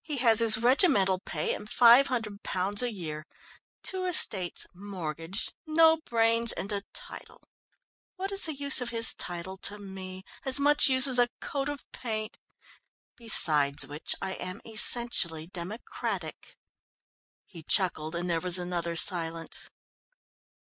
"He has his regimental pay and £500 a year, two estates, mortgaged, no brains and a title what is the use of his title to me? As much use as a coat of paint! Beside which, I am essentially democratic." He chuckled, and there was another silence.